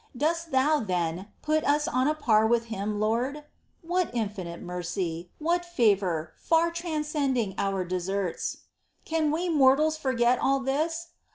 ^ Dost Thou, then, put us on a par with Him, Lord ? 2. What infinite mercy ! what favour, far transcending our deserts ! Can we mortals forget all this